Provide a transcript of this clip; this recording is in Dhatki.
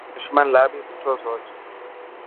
دشمن لاءِ بهي سٺو سوچ.